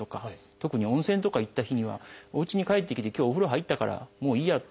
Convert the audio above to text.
特に温泉とか行った日にはおうちに帰ってきて今日お風呂入ったからもういいやって。